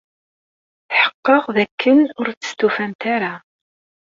Tḥeqqeɣ d akken ur testufamt ara.